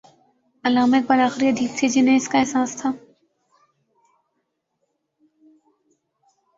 علامہ اقبال آخری ادیب تھے جنہیں اس کا احساس تھا۔